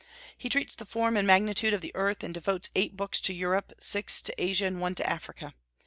He treats of the form and magnitude of the earth, and devotes eight books to Europe, six to Asia, and one to Africa.